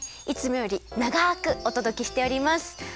いつもよりながくおとどけしております！